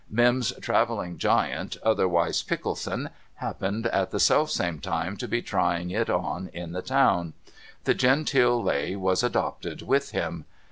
Mim's travelling giant, otherwise Pickleson, happened at the self same time to be trying it on in the town. The genteel lay was adopted with him.